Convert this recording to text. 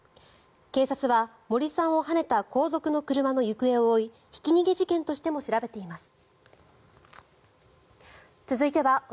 警察は森さんをはねた後続の車の行方を追いひき逃げ事件としても調べています。